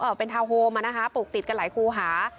เอ่อเป็นทาวน์โฮมปลูกติดกันหลายครูหา